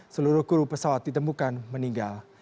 seluruh kru pesawat ditemukan meninggal